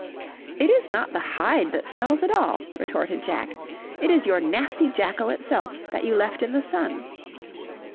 "It is not the hide that smells at all," retorted Jack, "it is your nasty jackal itself, that you left in the sun."